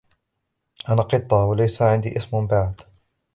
أنا قطة ، وليس عندي اسم بعد.